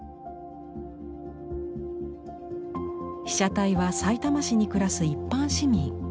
被写体はさいたま市に暮らす一般市民。